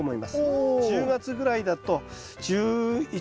おお。１０月ぐらいだと１１月。